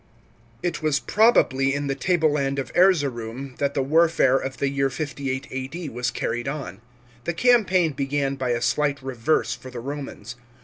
It was probably in the table land of Erzeroum that the warfare of the year 58 A.D. was carried on. The campaign began by a slight reverse for the Bomans.